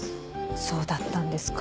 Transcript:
そうだったんですか。